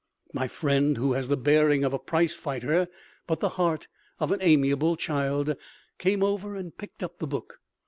My friend, who has the bearing of a prizefighter, but the heart of an amiable child, came over and picked up the book.